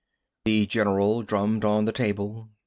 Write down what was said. The general drummed on the table.